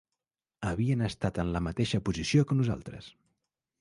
Havien estat en la mateixa posició que nosaltres.